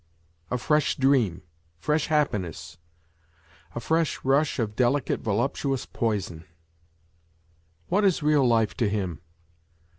A fresh dream fresh happiness ! A fresh rush of delie voluptuous poison ! What is real life to him